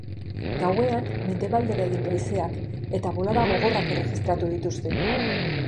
Gauean, mendebaldera egin du haizeak eta bolada gogorrak erregistratu dituzte.